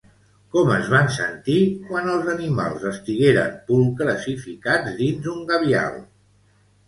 Com es van sentir quan els animals estigueren pulcres i ficats dins un gabial?